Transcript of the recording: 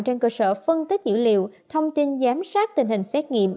trên cơ sở phân tích dữ liệu thông tin giám sát tình hình xét nghiệm